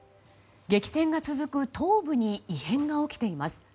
激戦が続く東部に異変が起きています。